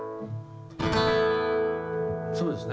そうですね